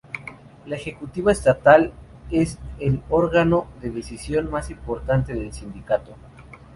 La Ejecutiva estatal es el órgano de decisión más importante del Sindicato.